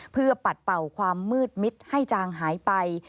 เพื่อปัดเป่าความมืดมิดให้จางหายไป